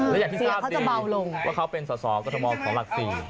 และอย่างที่ทราบดีว่าเขาเป็นสอบก็นโมงกำลังลักษณีย์